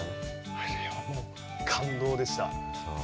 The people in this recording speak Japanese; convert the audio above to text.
あれはもう感動でした。